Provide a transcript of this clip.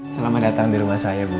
selamat datang di rumah saya bu